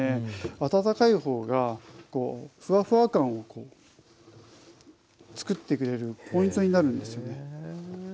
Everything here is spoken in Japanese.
温かいほうがフワフワ感を作ってくれるポイントになるんですよね。